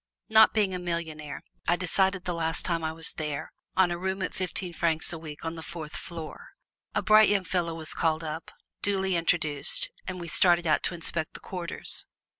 Not being a millionaire, I decided, the last time I was there, on a room at fifteen francs a week on the fourth floor. A bright young fellow was called up, duly introduced, and we started out to inspect the quarters.